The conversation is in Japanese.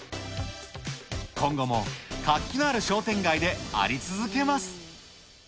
今後も活気のある商店街であり続けます。